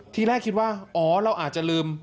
ทีแรกคิดว่าอ๋อเราอาจจะลืม